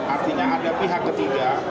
artinya ada pihak ketiga